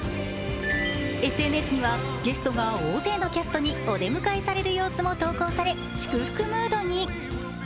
ＳＮＳには、ゲストが大勢のキャストにお出迎えされる様子も投稿され祝福ムードに。